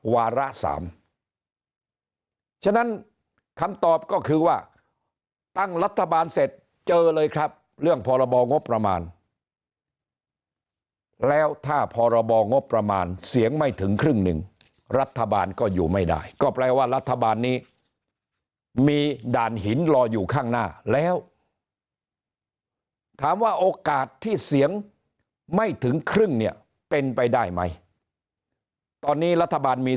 วาระสามฉะนั้นคำตอบก็คือว่าตั้งรัฐบาลเสร็จเจอเลยครับเรื่องพรบงบประมาณแล้วถ้าพรบงบประมาณเสียงไม่ถึงครึ่งหนึ่งรัฐบาลก็อยู่ไม่ได้ก็แปลว่ารัฐบาลนี้มีด่านหินรออยู่ข้างหน้าแล้วถามว่าโอกาสที่เสียงไม่ถึงครึ่งเนี่ยเป็นไปได้ไหมตอนนี้รัฐบาลมี